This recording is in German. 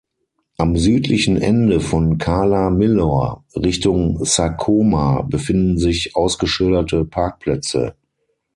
Am südlichen Ende von Cala Millor Richtung Sa Coma befinden sich ausgeschilderte Parkplätze.